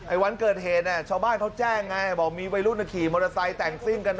วันเกิดเหตุชาวบ้านเขาแจ้งไงบอกมีวัยรุ่นขี่มอเตอร์ไซค์แต่งซิ่งกัน